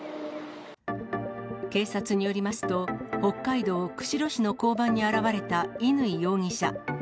警察によりますと、北海道釧路市の交番に現れた乾容疑者。